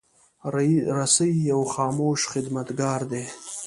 رسۍ یو خاموش خدمتګار دی.